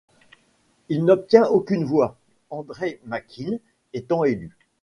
Il n'obtient aucune voix, Andreï Makine étant élu.